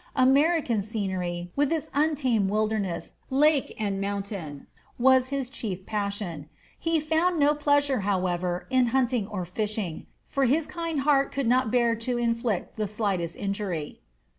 American scenery, with its untamed wilderness, lake, and mountain, was his chief passion. He found no pleasure, however, in hunting or fishing; for his kind heart could not bear to inflict the slightest injury.